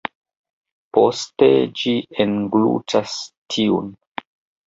Poste ĝi englutas tiun.